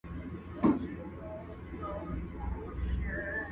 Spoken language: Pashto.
o نه گناه کوم، نه توبه کاږم!